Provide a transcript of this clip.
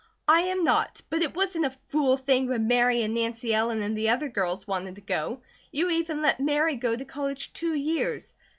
"I am not! But it wasn't a 'fool thing' when Mary and Nancy Ellen, and the older girls wanted to go. You even let Mary go to college two years."